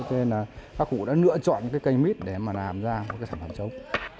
thế nên là các cụ đã lựa chọn cái cây mít để mà làm ra cái sản phẩm trống